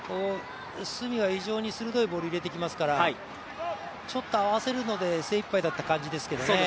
角が非常に鋭いボールを入れてきましたから、合わせるので精いっぱいだった感じですけどね。